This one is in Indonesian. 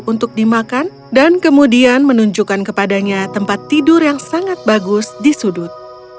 untuk dimakan dan kemudian menunjukkan kepadanya tempat tidur yang sangat bagus di sudut